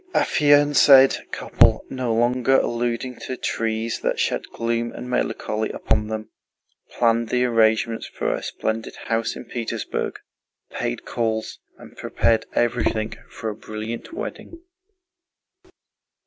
The affianced couple, no longer alluding to trees that shed gloom and melancholy upon them, planned the arrangements of a splendid house in Petersburg, paid calls, and prepared everything for a brilliant wedding.